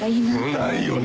ないよね。